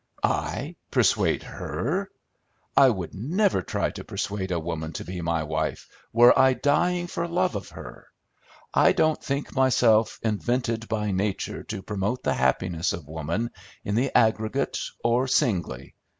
"I persuade her! I would never try to persuade a woman to be my wife were I dying for love of her! I don't think myself invented by nature to promote the happiness of woman, in the aggregate or singly.